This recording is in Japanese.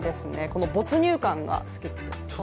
この没入感が好きです。